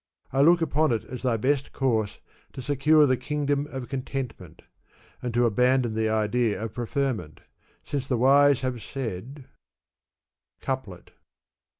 I look upon it as thy best course to secure the kingdom of contentment, and to abandon the idea of preferment, since the wise have said, Coupkt.